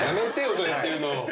そうやって言うの。